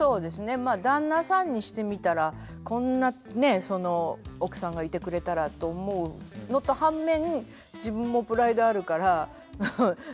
まあ旦那さんにしてみたらこんなね奥さんがいてくれたらと思うのと反面自分もプライドあるから留守って聞いて安心してっていう。